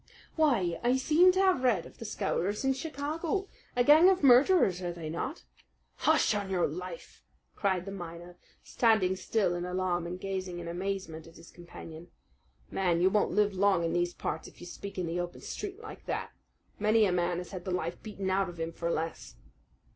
"Why, I seem to have read of the Scowrers in Chicago. A gang of murderers, are they not?" "Hush, on your life!" cried the miner, standing still in alarm, and gazing in amazement at his companion. "Man, you won't live long in these parts if you speak in the open street like that. Many a man has had the life beaten out of him for less."